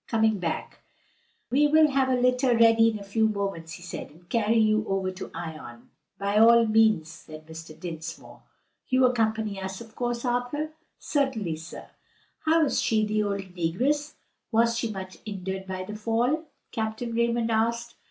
Coming back, "We will have a litter ready in a few moments," he said, "and carry you over to Ion." "By all means," said Mr. Dinsmore. "You accompany us, of course, Arthur?" "Certainly, sir." "How is she the old negress? Was she much injured by the fall?" Captain Raymond asked.